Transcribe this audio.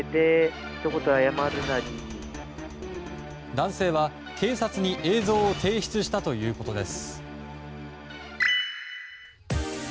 男性は警察に映像を提出したということです。